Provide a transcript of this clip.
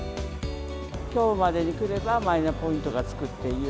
きょうまでに来ればマイナポイントがつくっていう。